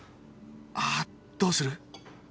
ああどうする？